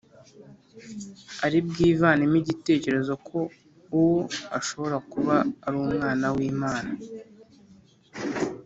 ari bwivanemo igitekerezo ko uwo ashobora kuba ari umwana w’imana